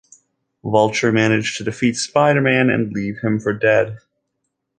Vulture managed to defeat Spider-Man and leave him for dead.